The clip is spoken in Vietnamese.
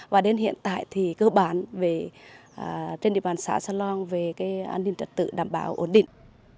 và đến hiện tại thì cơ bản trên địa bàn xã salon về an ninh trật tự đảm bảo ổn định